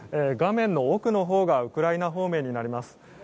画面の奥のほうがウクライナ方面になります。